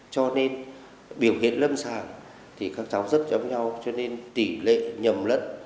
cho nên biểu hiện lâm sàng thì các cháu rất giống nhau cho nên tỷ lệ nhầm lẫn